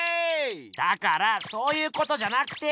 だからそういうことじゃなくて。